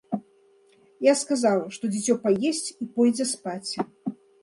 Я сказаў, што дзіцё паесць і пойдзе спаць.